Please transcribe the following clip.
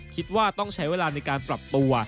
คิดว่าต้องใช้เวลาในการปรับตัว